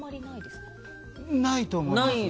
ないと思います。